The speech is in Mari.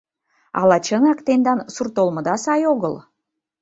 — Ала чынак тендан сурт олмыда сай огыл?